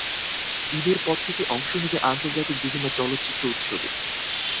ঈদের পর থেকে অংশ নেবে আন্তর্জাতিক বিভিন্ন চলচ্চিত্র উৎসবে।